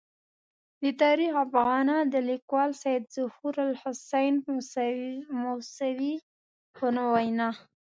د تاریخ افاغنه د لیکوال سید ظهور الحسین موسوي په وینا.